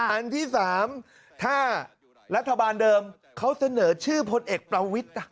อันที่๓ถ้ารัฐบาลเดิมเขาเสนอชื่อพลเอกประวิทธิ์